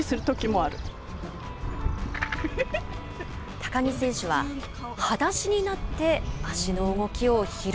高木選手は、はだしになって足の動きを披露。